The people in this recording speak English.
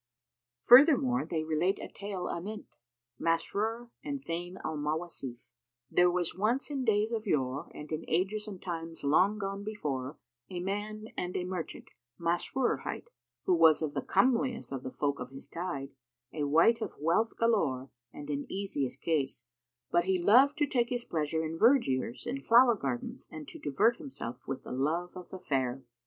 Furthermore they relate a tale anent[FN#307] MASRUR AND ZAYN AL MAWASIF.[FN#308] There was once in days of yore and in ages and times long gone before a man and a merchant Masrúr hight, who was of the comeliest of the folk of his tide, a wight of wealth galore and in easiest case; but he loved to take his pleasure in vergiers and flower gardens and to divert himself with the love of the fair.